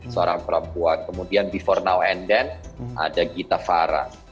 seorang perempuan kemudian before now and then ada gita farah